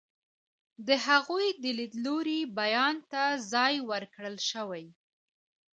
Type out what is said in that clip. د هغوی د لیدلوري بیان ته ځای ورکړل شوی.